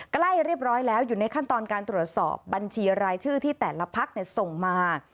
ใกล้เรียบร้อยแล้วอยู่ในขั้นตอนการตรวจสอบบัญชีรายชื่อที่แต่ละพักส่งมา